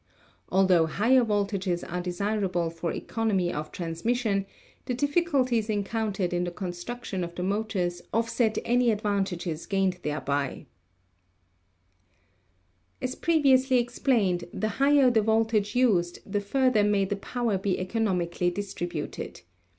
Altho higher voltages are desirable for economy of transmission, the difficulties encountered in the construction of the motors offset any advantages gained thereby. 290 ELECTRICITY As previously explained, the higher the voltage used, the further may the power be economically distributed.